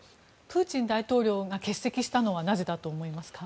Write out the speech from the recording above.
プーチン大統領が欠席したのはなぜだと思いますか。